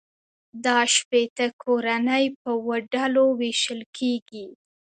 دا شپیته کورنۍ په اووه ډلو وېشل کېږي